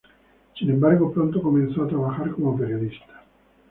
Sin embargo, pronto comenzó a trabajar como periodista.